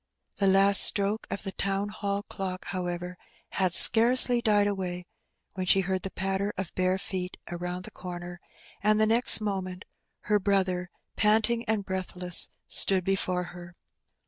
The last stroke of the Town Hall clock, however, had scarcely died away when she heard the patter of bare feet around the comer, and the next moment her brother, panting and breathless, stood before her.